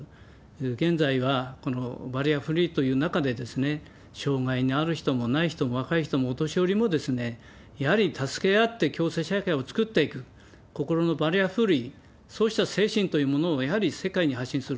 現在はこのバリアフリーという中で、障害のある人もない人も若い人もお年寄りも、やはり助け合って共生社会を作っていく、心のバリアフリー、そうした精神というものを、やはり世界に発信する。